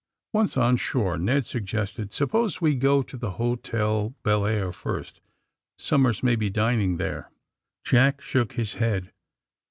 Once on shore Ned suggested: *^ Suppose we go to the Hotel Belleair first. Somers may be dining there." Jack shook his head.